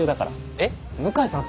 えっ向井さん